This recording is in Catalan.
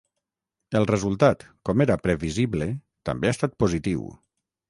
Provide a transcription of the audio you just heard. El resultat, com era previsible, també ha estat positiu.